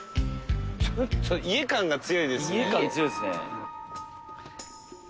ちょっと家感が強いですね。